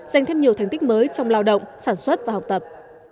dành thêm nhiều thành tích mới trong lao động sản xuất và học tập